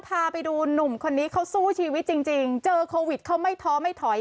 พาไปดูหนุ่มคนนี้เขาสู้ชีวิตจริงจริงเจอโควิดเขาไม่ท้อไม่ถอย